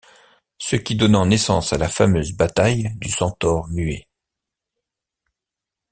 Ce qui donnant naissance à la fameuse bataille du centaure muet.